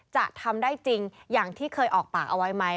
จะทำได้จริงอย่างที่เคยออกปากเอาไว้ไหม